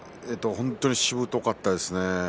本当にしぶとかったですね。